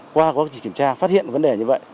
qua các kiểm tra phát hiện vấn đề như vậy